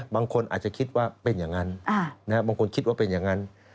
บางคนอาจจะคิดว่าเป็นอย่างนั้นบางคนคิดว่าเป็นอย่างนั้น